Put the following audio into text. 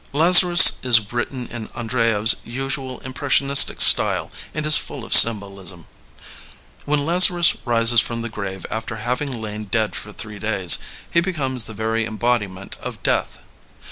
Lazarus is written in Andreyev's usual impressionistic style and is full of symbolism. When Lazarus rises from the grave after having lain dead for three days, he becomes the very embodi ment of Death.